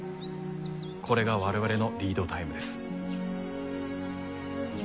これが我々のリードタイムです。